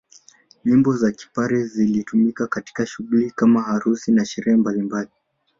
Nyimbo za kipare zilitumika katika shughuli kama harusi na sherehe mbalimbali